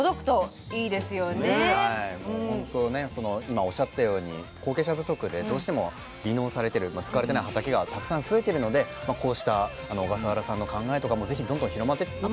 今おっしゃったように後継者不足でどうしても離農されてる使われてない畑がたくさん増えてるのでこうした小笠原さんの考えとかもぜひどんどん広まっていったらなって。